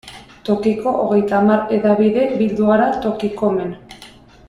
Tokiko hogeita hamar hedabide bildu gara Tokikomen.